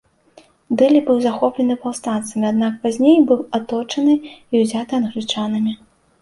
Дэлі быў захоплены паўстанцамі, аднак пазней быў аточаны і ўзяты англічанамі.